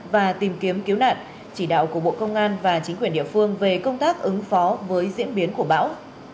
và tìm kiếm cứu nạn chỉ đạo của bộ công an và chính quyền địa phương về công tác ứng phó với diễn biến của bão